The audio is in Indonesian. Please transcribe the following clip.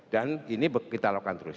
dan ini kita lakukan terus